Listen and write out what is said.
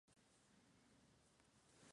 Es un templo renacentista de una sola nave.